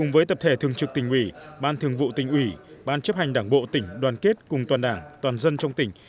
với tập thể thường trực tỉnh ủy ban thường vụ tỉnh ủy ban chấp hành đảng bộ tỉnh đoàn kết cùng toàn đảng toàn dân trong tỉnh